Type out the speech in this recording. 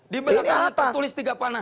di belakang ini tertulis tiga panah